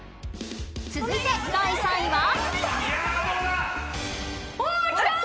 ［続いて第３位は］